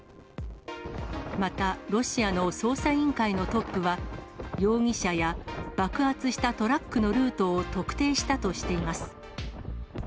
また、ロシアの捜査委員会のトップは、容疑者や爆発したトラックのルートを特定したとしています。